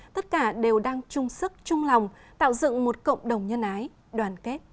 tất cả đều đang chung sức chung lòng tạo dựng một cộng đồng nhân ái đoàn kết